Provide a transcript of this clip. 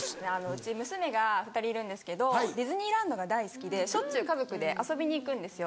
うち娘が２人いるんですけどディズニーランドが大好きでしょっちゅう家族で遊びに行くんですよ。